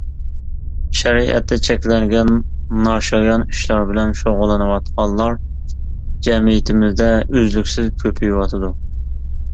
شەرىئەتتە چەكلەنگەن ناشايان ئىشلار بىلەن شۇغۇللىنىۋاتقانلار جەمئىيىتىمىزدە ئۈزلۈكسىز كۆپىيىۋاتىدۇ.